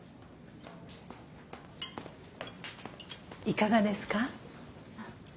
いかがですか。